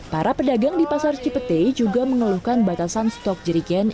para pedagang di pasar cipete juga mengeluhkan batasan stok jeriken